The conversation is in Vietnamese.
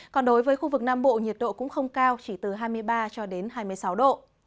còn đối với khu vực nam bộ nhiệt độ cũng không cao chỉ từ hai mươi ba cho đến hai mươi sáu độ